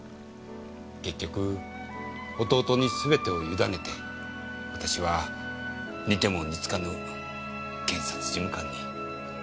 結局弟に全てを委ねて私は似ても似つかぬ検察事務官に。